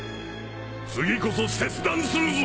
次こそ切断するぞ